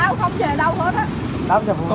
tao không về đâu hết á